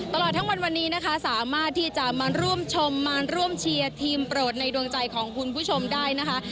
ตลอดทั้งวันวันนี้นะคะสามารถที่จะมาร่วมชมมาร่วมเชียร์ทีมโปรดในดวงใจของคุณผู้ชมได้นะคะ